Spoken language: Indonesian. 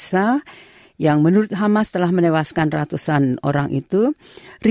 saya pikir itu adalah sebuah fitur